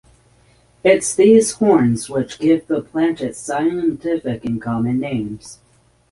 It is these horns which give the plant its scientific and common names.